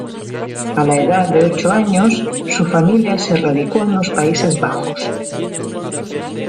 A la edad de ocho años su familia se radicó en los Países Bajos.